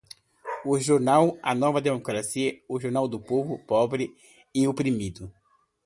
O jornal a nova democracia é o jornal do povo pobre e oprimido